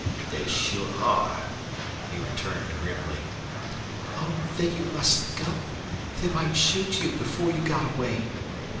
"They sure are," he returned, grimly. "Oh, then you mustn't go. They might shoot you before you got away.